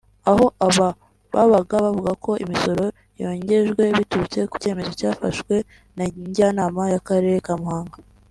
aho aba babaga bavuga ko imisoro yongejwe biturutse ku cyemezo cyafashwe na Njyanama y’Akarere ka Muhanga